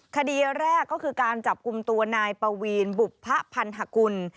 คดีแรกก็คือการจับกลุ่มตัวนายปวีนบุพะพันธกุล